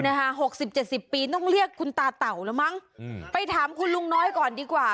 หกสิบเจ็ดสิบปีต้องเรียกคุณตาเต่าแล้วมั้งอืมไปถามคุณลุงน้อยก่อนดีกว่า